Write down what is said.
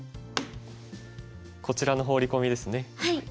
こちらのホウリ込みですね。